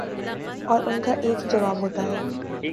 اور ان کا ایک ہی جواب ہوتا ہے